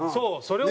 そう。